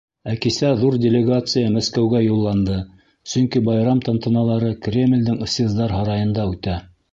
Ә кисә ҙур делегация Мәскәүгә юлланды, сөнки байрам тантаналары Кремлдең Съездар һарайында үтә.